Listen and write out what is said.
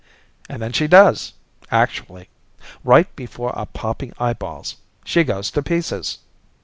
And then she does. Actually. Right before our popping eyeballs she goes to pieces.